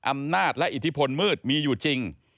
อำนาจและอิทธิพลมืดมีอยู่จริง